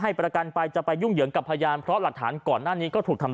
ให้ปรากันไปจะไปยุ่งเหงงกับพยานและหลักฐานก่อนอันนี้ก็ถูกทำ